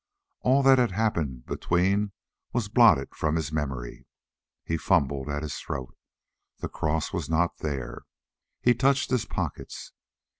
All that had happened between was blotted from his memory. He fumbled at his throat. The cross was not there. He touched his pockets.